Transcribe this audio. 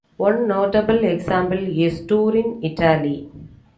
One notable example is Turin, Italy.